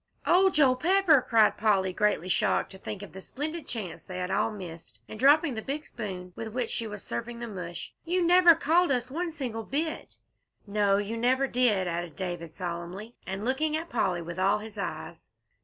"Oh, Joel Pepper!" cried Polly, greatly shocked to think of the splendid chance they all had missed, and dropping the big spoon with which she was serving the mush, "you never called us one single bit!" "No, you never did!" added David, solemnly, and looking at Polly with all his eyes.